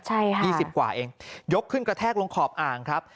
ใช่ค่ะ๒๐กว่าเองยกขึ้นกระแทกลงขอบอ่างครับ